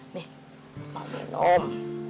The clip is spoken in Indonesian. nih mau minum